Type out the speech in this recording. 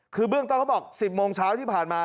คือเบื้องต้นเขาบอก๑๐โมงเช้าที่ผ่านมา